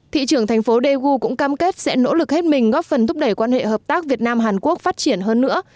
thị trưởng thành phố daegu cũng cam kết sẽ nỗ lực hết mình góp phần thúc đẩy quan hệ hợp tác việt nam hàn quốc phát triển hơn nữa